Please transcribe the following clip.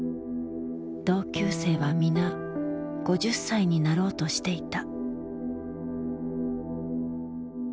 同級生は皆５０歳になろうとしていた。